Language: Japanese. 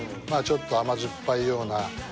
ちょっと甘酸っぱいような。